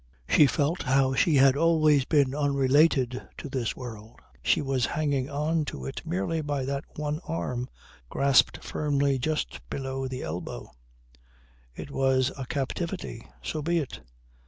She felt how she had always been unrelated to this world. She was hanging on to it merely by that one arm grasped firmly just above the elbow. It was a captivity. So be it.